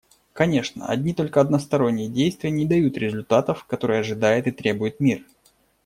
Конечно, одни только односторонние действия не дают результатов, которых ожидает и требует мир.